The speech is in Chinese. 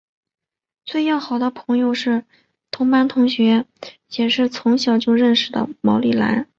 最要好的朋友是同班同学也是从小就认识的毛利兰。